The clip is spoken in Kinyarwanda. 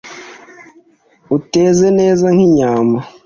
Uteze neza nk’inyambo,